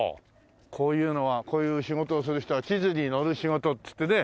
こういうのはこういう仕事をする人は地図に載る仕事っつってね。